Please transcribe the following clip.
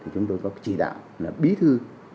chúng tôi có chỉ đạo là bí thư